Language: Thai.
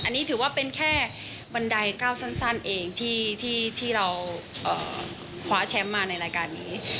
อันนี้ถือว่าเป็นแค่บันไดก้าวสั้นเองที่เราคว้าแชมป์มาในรายการนี้